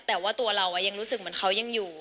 แต่ว่าตัวเรายังรู้สึกเหมือนเขายังอยู่